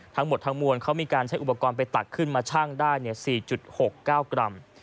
ทั้งหมดทั้งมวลเขามีการใช้อุปกรณ์ไปตักขึ้นมาชั่งได้๔๖๙กรัม